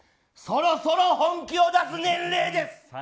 そろそろ本気を出す年齢です。